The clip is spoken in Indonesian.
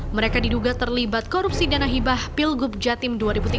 mereka diduga terlibat korupsi dana hibah pilgub jatim dua ribu tujuh belas